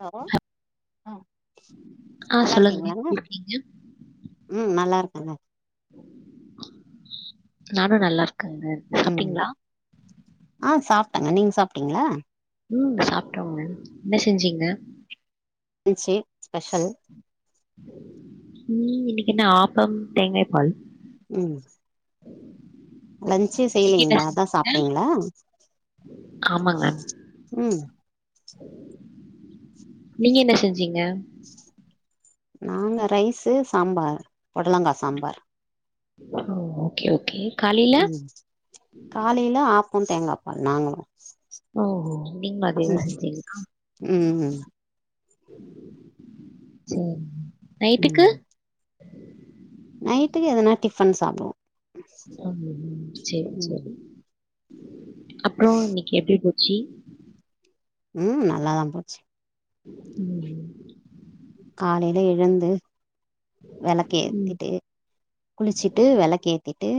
Hello ஆ ஆ நல்லா சொல்லுங்க இருக்கீங்களாங்க எப்படி இருக்கீங்க? ம் நல்லா இருக்காங்க நானு நல்லா இருக்கங்க ம் ஆ சாப்ட்டங்க நீங்க சாப்புட்டீங்களா ம் சாப்புட்டோங்க என்ன செஞ்சீங்க ச்சி ஸ்பெஷல் நீ இன்னிக்கு என்ன ஆப்பம் தேங்காய் பால் ம் லன்ச்சே நீங்க என்ன செய்யலீங்களா அதா செஞ்சீங்க? சாப்பிட்டங்களா ஆமாங்க. ம் நீங்க என்ன செஞ்சீங்க நாங்க ரைஸ்சு சாம்பார் பொடலங்கா சாம்பார் ம் ஓகே ஓகே காலையில? ம் காலையில ஆப்பம் தேங்காப்பால் நாங்களு ஓ நீங்களு அதேதா ம் செஞ்சீங்களா ம் ம் சரி நைட்டுக்கு ம் நைட்டுக்கு எதனா டிஃபன் சாப்புடுவோ ஆ செரி ம் செரி அப்பற இன்னிக்கு எப்டி போச்சு ம் நல்லாதா போச்சு ம் காலையில எழுந்து வெளக்கு ம். ஏத்திட்டு குளிச்சுட்டு வெளக்கு ஏத்திட்டு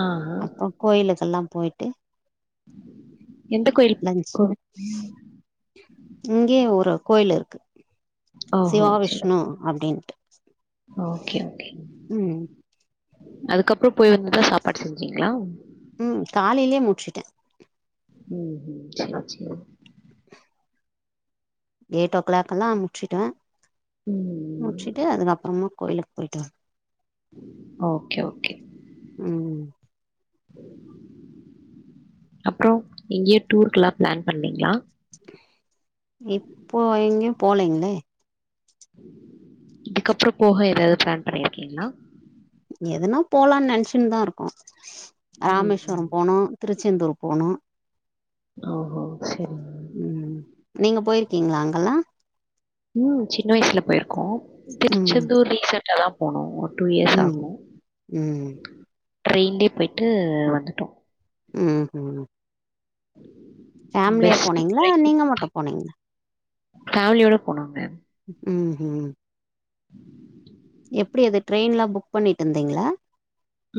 ஆ. அப்பற கோயிலுக்கெல்லா போயிட்டு எந்த கோயில் லன்ச் கோவில்? ம். இங்கயே ஒரு கோயில் இருக்கு ஓஹோ! சிவா சரி. விஷ்ணு அப்டின்ட்டு ஓகே ஓகே ம் அதுக்கப்பற போய் வந்துதா சாப்பாடு செஞ்சீங்களா ம் காலையிலே முடுச்சுட்ட உம் உம் சேரி சேரி எயிட் ஓ கிளாக் எல்லா அனுப்பிச்சிட்ட ம் முடிச்சிட்டு அதுக்கப்பறமா கோயிலுக்கு போயிட்டு ஓகே ஓகே ம் அப்பற இங்கேயே டூருக்கல்லா பிளான் பண்ணிங்களா இப்போ எங்கேயு போலங்களே இதுக்கப்பற போக ஏதாவது பிளான் பண்ணிருக்கீங்களா எதுனா போலான்னு நினைச்சுன்னு தா இருக்கோ ராமேஸ்வர ம். போன்னு திருச்செந்தூர் போன்னு ஓஹோ சரிங்க ம் நீங்க போயிருக்கீங்களா அங்கல்லா ம் சின்ன வயசுல போயிருக்கோ ம் திருச்செந்தூர் ரீசன்ட் இப்ப தான் போனோம் ஒரு டூ இயர்ஸ் ம் ஆகும் ம் ட்ரெயின்லே போய்ட்டு வந்துட்டோம் ம் ம் ஃபேமிலியா பெஸ்ட் போனிங்களா ட்ரெயின் நீங்க மட்டும் போனிங்களா ஃபேமிலியோட போனங்க ம் ம் எப்டி அது ட்ரெயின்லா புக் பண்ணிட்டு இருந்தீங்களா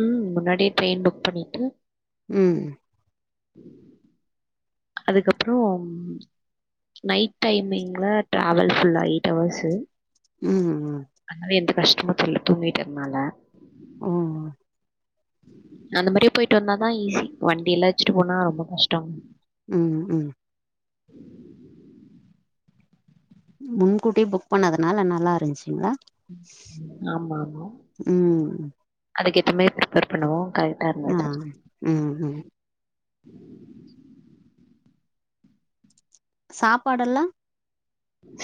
ம் முன்னாடியே ட்ரெயின் புக் பண்ணிட்டு ம் அதுக்கப்புரோம் நைட் டைமிங்கில ட்ராவல் ஃபுல்லா எயிட் ஹவர்ஸு ம் ம் அதனால எந்த கஷ்டமு தெர்ல தூங்கிட்டு இருந்தனால ம் அந்த மாரியே போய்ட்டு வந்தாதா ஈஸி ஒன் டே எல்லா வச்சுட்டு போனா ரொம்ப கஷ்டம் ம் ம் முன்கூட்டியே புக் பண்ணதுனால நல்லா இருந்துச்சுங்களா ஆமா ஆமா ம் அதுக்கு ஏத்த மாரி பிரிப்பர் போனோ கரெக்டா ஆ இருந்துச்சு ம் ம் சாப்பாடு எல்லா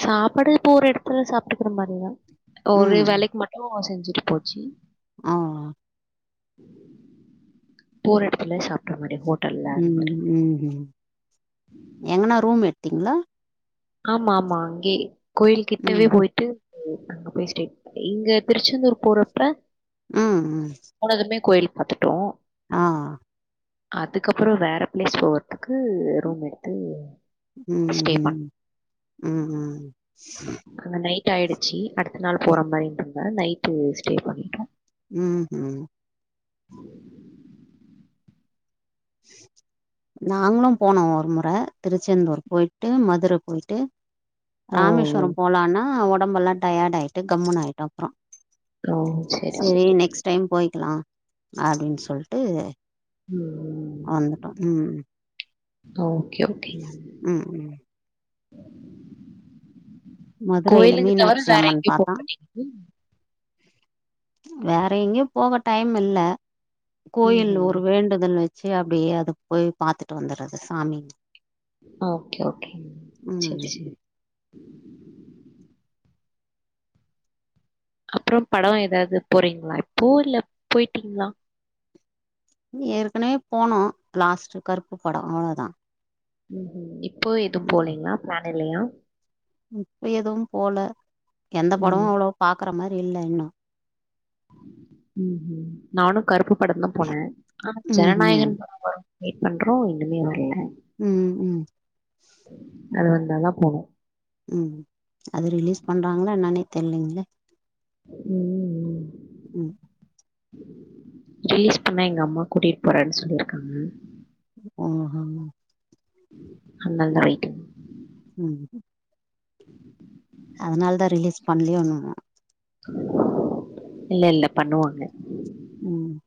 சாப்பாடு போற இடத்துல சாப்பிட்டுக்கிற மாதிரிதா ஒரு ம் வேலைக்கு மட் கோவா செஞ்சுட்டு போச்சு அ அ போற இடத்துல சாப்பிட்ற மாரி ஹோட் ம் ம் ம் எங்கனா ரூம் எடுத்தீங்களா ஆமா ஆமா அங்கே கோயில் கிட்டவே ம் போய்ட்டு ம் அங்க போய் ஸ்டே இங்க திருச்செந்தூர் போறப்ப ஆ ஆ போனதுமே கோயில் பார்த்துட்டோ ஆ அதுக்கப்பறோ வேற பிளேஸ் போகறதுக்கு ரூம் எடுத்து ஸ்டே உஹும் பண்ணோம். ம் ம் அங்க நைட் ஆயிடுச்சு அடுத்த நாள் போற மாரி இருந்த நைட்டு ஸ்டே பண்ணிட்டோ ம் ம் நாங்களு போனோ ஒரு முற திருச்செந்தூர் போய்ட்டு மதுர போய்ட்டு ஓ! ராமேஸ்வரம் போலாம்னா. உடம்பெல்லாம் டயர்ட் ஆயிட்டு கம்முன் ஆயிட்டோம் அப்பறோ ஓ! சரி, சேரி சரி. நெக்ஸ்ட் டைம் போய்க்கலா அப்டின்னு சொல்ட்டு ம் ம் வந்துட்டோம் ம் ஓகே, ஓகே. ம் ம் மதுரையில கோயிலுங்க தவிர மீனாட்சி வேற அம்மன் எங்கயும் போ பார்த்தான். மாட்டீங்க? வேற எங்கேயும் போக டைம் இல்ல. கோயில் ம்ஹ்ம். ஒரு வேண்டுதல் வச்சு, அப்டே அத போய் பாத்துட்டு வந்தறது சாமி ஓகே ஓகே ம் சரி சரி. அப்புறோ பட ஏதாது போறீங்களா இப்போ இல்ல போயிட்டீங்களா? ஏற்கனவே போனோ லாஸ்ட் கருப்பு படோ அவ்ளோதா ம் ஹீம் இப்போ எதுவு போலீங்களா? பிளான் இல்லையா? இப்ப எதுவு போல, எந்த படமு ம். அவ்வளோ பாக்குற மாரி இல்ல இன்னு ம் ம் நானு கருப்பு படம் தா போனே ஆனா ம் ம் ஜனநாயகன் பட வரு வெயிட் பண்றோ இன்னுமே வர்ல ம் ம். அது வந்தாதா போனு ம் அது ரிலீஸ் பண்றாங்களா என்னன்னே தெரிலைங்களே. ம் ம் ம். ரிலீஸ் பண்ணா எங்க அம்மா கூட்டிட்டு போறேன்னு சொல்லிருக்காங்க. ஓஹோ ஹல்ல அல்ல ஆயிட்டு. ம். [inaudible] அதனால தா ரிலீஸ் பண்லயோ என்னமோ. இல்ல இல்ல பண்ணுவாங்க. ம்.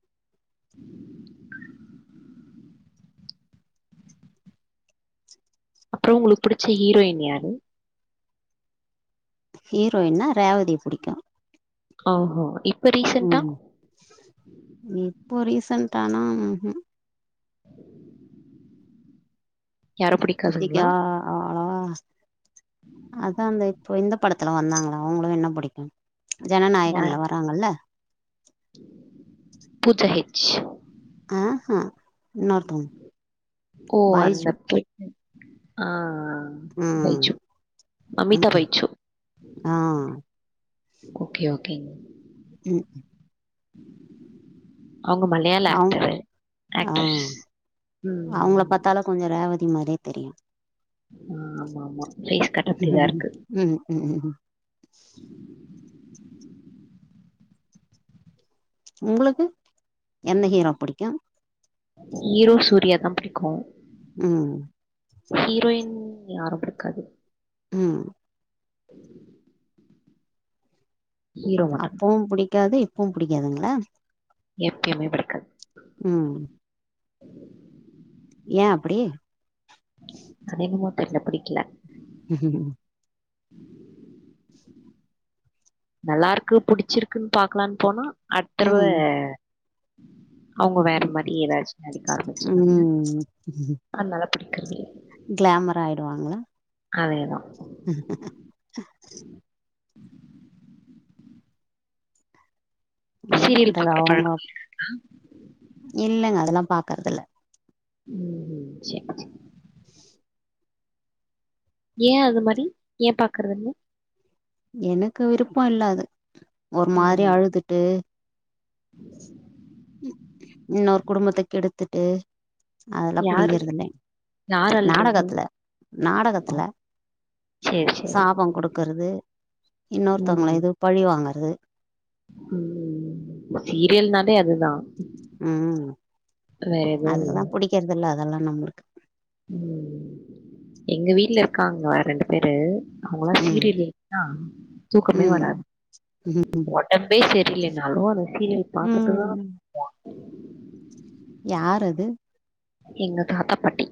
அப்புறோ உங்களுக்கு புடிச்ச ஹீரோயின் யாரு? ஹீரோயின்னா ரேவதிய புடிக்கு ஓஹோ இப் ம் இப்போ ரீசன்டானா ம் ஹும். யாரும் இப்பதிக்கா பிடிக்காதுங்களா ஆளா அதா அந்த இப்போ இந்தப் படத்துல வந்தாங்களா அவங்கள வேனா பிடிக்கு யார் ஜனநாயகன்ல வராங்கல்ல. பூஜா ஹெட்ஜ். ஆஹா இன்னொருத்தவங்க, ஓ அந்த பைஜூ. பொண்ணு. ஆ ஆ ம் பைஜு ம் மமிதா ம் பைஜு ஆ ஓகே ஓகேங்க ம். [inaudible] அவங்க மலையாள அவங் ஆக்டரு, ஆ ஆக்டர்ஸ் ம். கொஞ்ச ரேவதி மாரியே தெரியு ஆ ஆமா ஆமா ஃபேஸ் கட் அப்டிதா இருக்கு. ம் ம் ஹும் உங்களுக்கு என்ன ஹீரோ புடிக்கு ஹீரோ சூர்யாதா புடிக்கு ம். ஹீரோயின் யாரு புடிக்காது. ம். [inaudible] ஹீரோ மட்டும் அப்பவு புடிக்காது இப்பவு புடிக்காதுங்களா எப்பயுமே புடிக்காது ம் ஏ அப்டி அதென்னமோ தெர்ல பிடிக்கல ம் நல்லாருக்கு புடிச்சிருக்குன் பாக்கலான் போனா அட்த் தடவ ம் அவுங்க வேற மாதிரி எதாச்சி நடிக் ஆரம்பிச்சிர்றாங்க ம் அதுனால பிடிக்கறதே க்ளாமர் ஆயிடுவாங்ளா அதேதா என்னா சீரியல் பண்றது பாக்குற அவங்க பழக்கம் இல்லங்க அதெல்லா பாக்கறதில்ல ம் ம் சேரி சேரி இஸ் ஏ அது மாரி ஏ பாக்கறதில்ல எனக்கு விருப்போ இல்ல அது ஒரு மாரி ம்ஹும் அழுதுட்டு இன்னோர் குடும்பத்த கெடுத்துட்டு அதெல்லா யாரு புடிகறதில்ல யார் அல்றது நாடகத்துல ஓ நாடகத்துல சரி சரி சாபோ குடுக்கறது இன்னோர்த்தவுங்கள ம் இது பழி வாங்கறது ம் சீரியல்னாலே அதுதா ம் எதுவும் இல்ல அதுக்குதா புடிக்கற்தில்ல அதெல்லா நம்ளுக்கு ம் எங்க வீட்ல இருக்காங்க ரெண்டு பேரு அவுங்கல்லா ம் சீரியல் இல்லைன்னா தூக்கமே ம் வராது ஒடம்பே செரியில்லைனாலு அந்த சீரியல பாத்துட்டுதா ம் யார் அது எங்க தாத்தா பாட்டி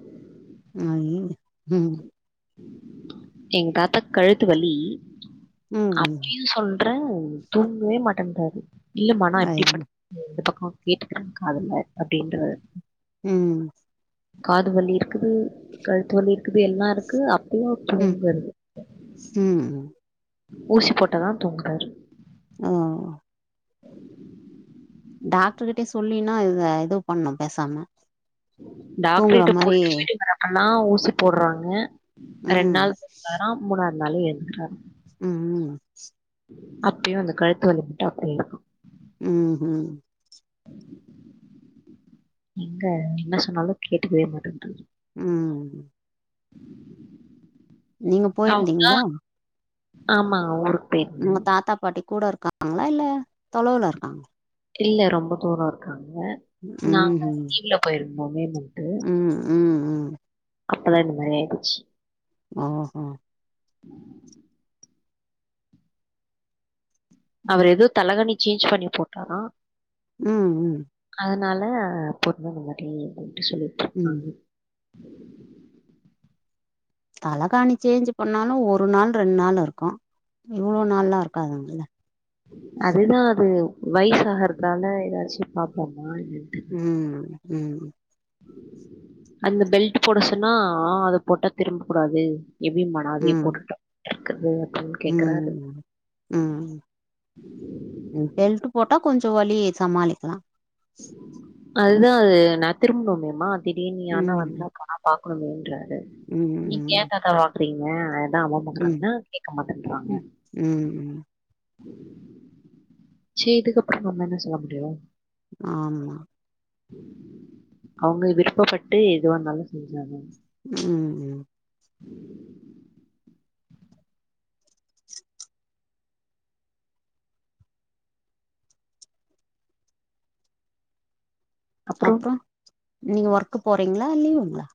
ஐய்யியே ம் எங் தாத்தாக் கழுத்து வலி ம் அப்பயு சொல் ற தூங்வே மாட்டன்ட்டாரு இல்லமா நா ஐ இப்டி படு இந்த பக்கோ கேட்டுக்றே காதுல அப்டின்றாரு ம் காது வலி இருக்குது கழுத்து வலி இருக்குது எல்லா இருக்கு அப்பயு ம் தூங்கறது ம் ஊசி போட்டதா தூங்றாரு ஆ [inaudible] டாக்டர் கிட்டே சொல்லினா இத எதோ பண்ணு பேசாம டாக்டர் தூங்குற கிட்ட மாரி போய்ட்டு [inaudible] வரப்பெல்லா ஊசி போட்றாங்க ரெண் ம் நாள் போட்டா தா மூணாவ்த் நாளு எழ்ந்துர்றாரு ம் ம் அப்பயு அந்த கழுத்து வலி மட்டு அப்டியே இருக்கு ம் ம் எங்க என்ன சொன்னாலு கேட்டுக்கவே மாட்டன்றாரு ம் ம் நீங்க போயிருந்தீங்களா ஆமா ஊருக்கு பேய் உங்க தாத்தா பாட்டி கூட இருக்காங்களா இல்ல தொலைவுல இருக்காங்களா கில்ல ரொம்ப தூரோ இருக்காங்க நாங்க ம்ஹும் கீழ போயிருந்தோ [unintelligible] ம் ம் ம் அப்பதா இந்த மாரி ஆயிபோச்சு ஆ ஹ [inaudible] அவர் ஏதோ தலைகனி சேஞ்ச் பண்ணி போட்டாரா ம் ம் அதனால [unintelligible] மாதிரி சொல்லி ம் இருக்காங்க தலகாணி சேஞ்ச் பண்ணாலு ஒரு நாள் ரெண்டு நாள் இருக்கு மூணு நாள்லா இருக்காதுங்கள்ள அதுதா அது வயசு ஆகறதுனால ஏதாச்சி பாப்போம்மா ம் ம் அந்த பெல்ட் போட சொன்னா ஆ அத போட்டா திரும்ப கூடாது [unintelligible] கேக்குறாரு ம் ம் ம் ம் பெல்ட் போட்டா கொஞ்சோ வழி சமாளிக்கலா அதுதா அது நா திரும்புனுமேமா திடீர்னு யார்னா ம் வந்தா கா பாக்கணுமேன்றாரு ம் நீங்க ஏன் தாத்தா பாக்குறீங்க ம் [unintelligible] கேட்க மாட்டேன்றறாங்க ம் ம் செய்துக்கப்ரோ நம்ம என்ன சொல்ல முடியு ஆமா அவங்க விருப்பப்பட்டு எதுவா இருந்தாலு செஞ்சாங்க ம் ம் அப்றோ அப்ரோ நீங்க ஒர்க் போறீங்களா லீவுங்ளா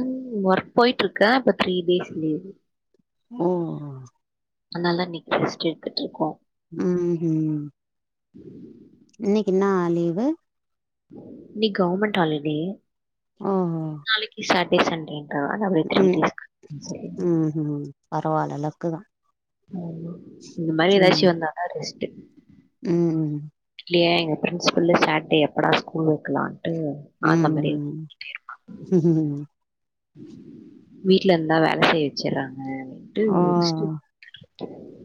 ம் ஒர்க் போயிட்டு இருக்க இப்ப த்ரீ டேஸ் லீவு ஓ அதனால இன்னைக்கு ரெஸ்ட் எடுத்துட்டு இருக்கோ ம் ம் இன்னைக்கு என்னா லீவு இன்னைக்கு கவர்மெண்ட் ஹாலிடே ஓஹோ நாளைக்கு சாட்டர்டே சண்டே ம் ம் ம் பரவால்ல லக்குதா இந்த மாதிரி ஏதாச்சி ம் வந்தாதா ரெஸ்ட்டு ம் இல்லையா எங்க பிரின்சிபில்லு சாட்டர்டே எப்படா ஸ்கூல் வைக்கலான்ட்டு ம் ஆந்த மாதிரி [inaudible] ம் வீட்ல இருந்தா வேல செய்ய வெச்சறாங்க ஆ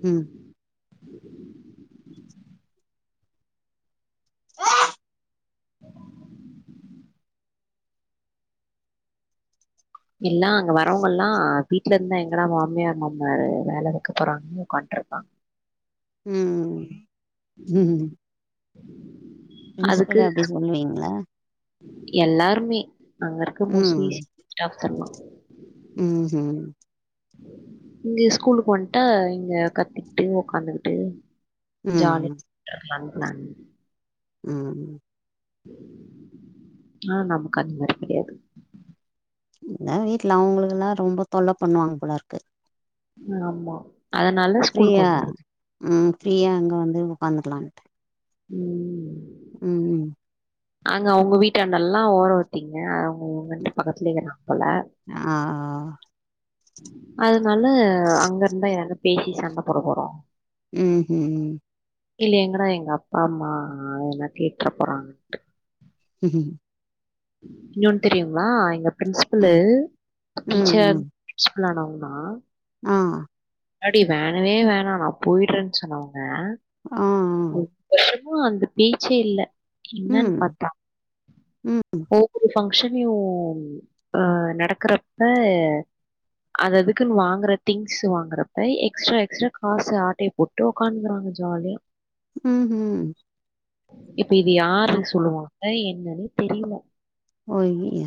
ம் எல்லா அங்க வரவங்க எல்லா வீட்ல இருந்தா எங்கடா மாமியார் மாமனாரு வேல வைக்க போறாங்கன்னு உக்கான்டு இருப்பாங் ம் ம் அதுக்கு பிரின்சிபால் ஆபீஸ் சொல்லுவீங்களா எல்லாருமே அங்க இருக்க மோஸ்லி ஸ்டாஃப்ஸ் எல்லா ம் ஹும் இங்க ஸ்கூலுக்கு வன்டா இங்க கத்திக்கிட்டு உக்காந்துகிட்டு ம் ஜாலி [unintelligible] ம் னா நமக்கு அந்த மாரி கெடையாது ன்னா வீட்ல அவங்களுக்கு எல்லா ரொம்ப தொல்ல பண்ணுவாங்க போலருக்கு ஆமா அதனால ஸ்கூலுக்கு ஃப்ரியா வந்துடுது ம் ஃப்ரியா அங்க வந்து உக்காந்துக்கலான் ம் ம் அங்க அவுங்க வீட்டாண்டல்லா ஓட வுட்டிங்க ம் ஓ வன்ட்டு பக்கத்துலே இருக்கா போல ஆ அதனால அங்க இருந்தா எதாது பேசி சண்ட போட போறோ ம் ஹும் இல்லையங்கடா எங்க அப்பா அம்மா என்ன கேட்டுற போறாங் இங்க ஒண்ணு தெரியுமா எங்க பிரின்சிபலு ம் ம் டீச்சர் ம் ன்ஸ்பிலுனாவங்க தா ஆ அடி வேணவே வேணா நா போயிடுறேனு சொன்னாங் அ அ இப்ப அந்த பேச்சே இல்ல என்னன் பாத்தா ஓ ஒரு ஃபங்க்ஷனையும் அ நடக்கறப்ப அது அதுக்குன் வாங்குற திங்ஸ் வாங்குற அய் எக்ஸ்ட்ரா எக்ஸ்ட்ரா காசு ஆட்டைய போட்டு உக்காந்துகிறாங்க ஜாலி ம் ஹும் இப்ப இது யாரு சொல்லுவாங்க என்னனு தெரில ஒய்